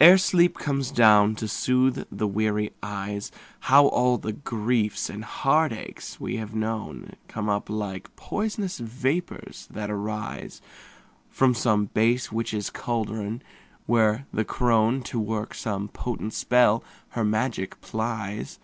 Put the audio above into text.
Ere sleep comes down to soothe the weary eyes, How all the griefs and heartaches we have known Come up like pois'nous vapors that arise From some base witch's caldron, when the crone, To work some potent spell, her magic plies.